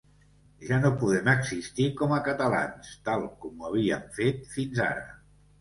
Ja no podem existir com a catalans tal com ho havíem fet fins ara.